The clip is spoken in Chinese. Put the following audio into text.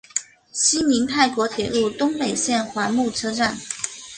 西邻泰国铁路东北线华目车站。